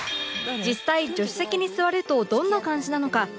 実際助手席に座るとどんな感じなのか？